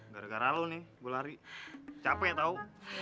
gara gara lu nih gue lari capek tau